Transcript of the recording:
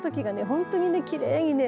本当にきれいにね